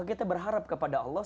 kita berharap kepada allah